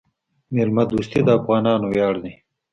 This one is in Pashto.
میلمه دوستي د افغانانو ویاړ دی.